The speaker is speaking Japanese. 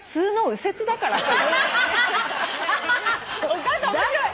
お母さん面白い！